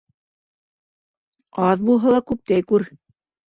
Аҙ булһа ла, күптәй күр.